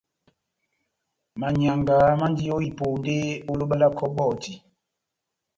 Manyianga mandi ó iponde ó loba lá kɔbɔti.